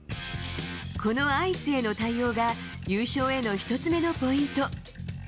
このアイスへの対応が、優勝への１つ目のポイント。